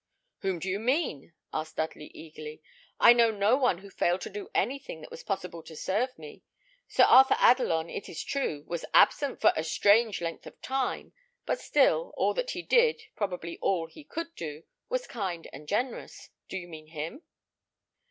"Whom do you mean?" asked Dudley, eagerly; "I know no one who failed to do anything that was possible to serve me. Sir Arthur Adelon, it is true, was absent for a strange length of time; but still, all that he did, probably all he could do, was kind and generous. Do you mean him?"